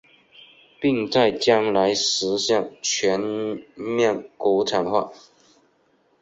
并在将来实现全面国产化。